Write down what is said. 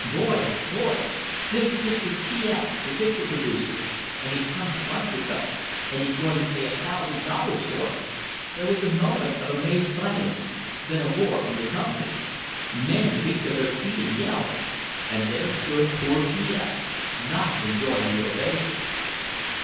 "Boys! Boys! This is Mr. T S, the picture producer, and he's come to lunch with us, and he's going to pay a thousand dollars for it!" There was a moment of amazed silence, then a roar from the company. Men leaped to their feet and yelled. And there stood poor T S not enjoying the ovation!